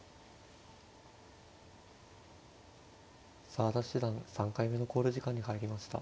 澤田七段３回目の考慮時間に入りました。